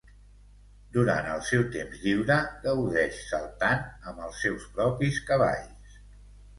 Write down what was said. Durant el seu temps lliure, gaudeix saltant amb els seus propis cavalls.